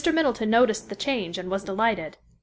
Middleton noticed the change and was delighted.